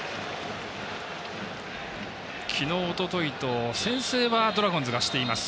昨日、おとといと先制はドラゴンズがしています。